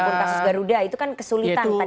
walaupun kasus garuda itu kan kesulitan